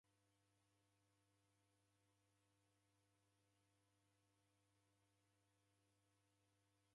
Daghenda supamaketi dikaghua vindo va mori mlazi